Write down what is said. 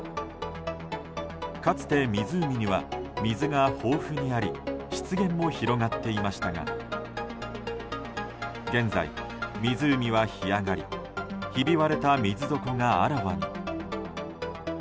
かつては、湖には水が豊富にあり湿原も広がっていましたが現在、湖は干上がりひび割れた水底があらわに。